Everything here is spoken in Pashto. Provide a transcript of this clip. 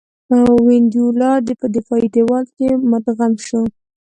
وینډولا په دفاعي دېوال کې مدغم شو.